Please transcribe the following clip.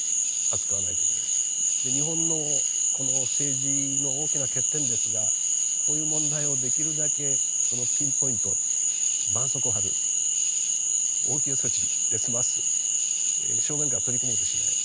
で日本のこの政治の大きな欠点ですがこういう問題をできるだけピンポイントばんそうこうを貼る応急措置で済ます正面から取り組もうとしない